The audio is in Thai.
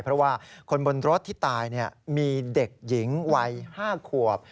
กรณีบนรถที่ตายมีเด็กหญิงวัย๕ขวบ